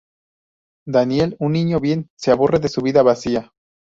Daniel, un niño bien, se aburre de su vida vacía.